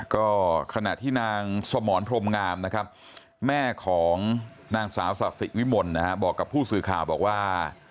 ก็ขณะที่นางสมรพรมงามนะครับแม่ของนางสาวสะสิวิมลนะฮะบอกกับผู้สื่อข่าวบอกว่า